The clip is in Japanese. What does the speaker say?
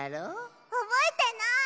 おぼえてない。